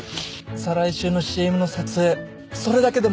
再来週のＣＭの撮影それだけでも。